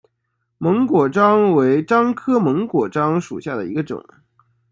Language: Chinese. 檬果樟为樟科檬果樟属下的一个种。